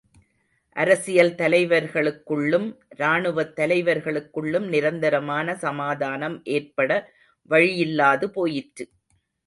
அரசியல் தலைவர்களுக்குள்ளும் ராணுவத் தலைவர்களுக்குள்ளும் நிரந்தரமான சமாதானம் ஏற்பட வழியில்லாது போயிற்று.